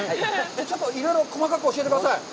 いろいろ細かく教えてください。